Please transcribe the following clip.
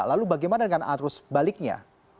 lalu bagaimana dengan arus baliknya